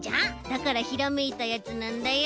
だからひらめいたやつなんだよ。